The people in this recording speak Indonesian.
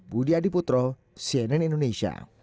budi adiputro cnn indonesia